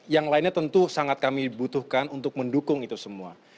yang lainnya tentu sangat kami butuhkan untuk mendukung itu semua